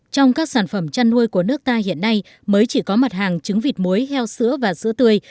trong các sản phẩm chăn nuôi của nước ta hiện nay mới chỉ có mặt hàng trứng vịt muối heo sữa và sữa tươi